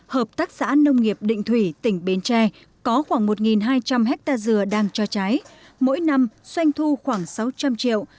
hợp tác xã nông nghiệp định thủy tỉnh bến tre có khoảng một hai trăm linh hectare dừa đang cho trái mỗi năm xoanh thu khoảng sáu trăm linh triệu